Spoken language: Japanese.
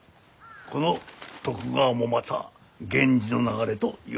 この得川もまた源氏の流れといわれまする。